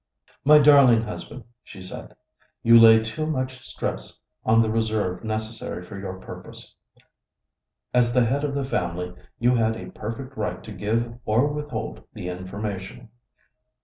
"My darling husband," she said, "you lay too much stress upon the reserve necessary for your purpose. As the head of the family, you had a perfect right to give or withhold the information.